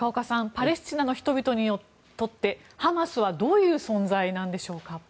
パレスチナの人々にとってハマスはどういう存在なんでしょうか。